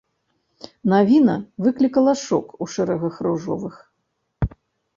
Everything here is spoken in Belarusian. Навіна выклікала шок у шэрагах ружовых.